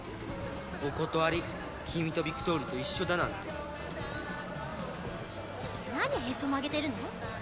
お断り君とビクトールと一緒だなんて何へそ曲げてるの？